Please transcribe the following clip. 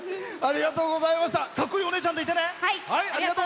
かっこいいお姉ちゃんでいてね。